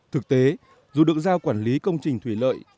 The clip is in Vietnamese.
thực tế dù được giao quản lý công trình thủy lợi